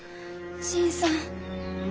新さん。